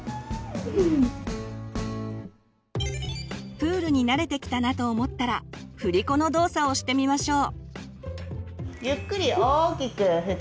プールに慣れてきたなと思ったらふりこの動作をしてみましょう。